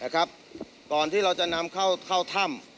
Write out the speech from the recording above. ก่อนที่เราจะนำเข้าถ้ำ